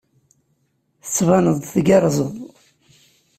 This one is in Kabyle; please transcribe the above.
Tettbaneḍ-d tgerrzeḍ.